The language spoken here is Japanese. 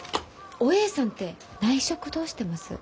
おえいさんって内職どうしてます？